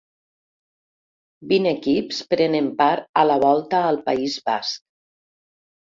Vint equips prenen part a la Volta al País Basc.